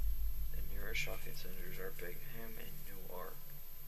The nearest shopping centres are Bingham and Newark.